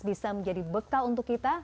bisa menjadi bekal untuk kita